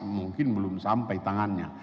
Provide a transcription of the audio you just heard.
mungkin belum sampai tangannya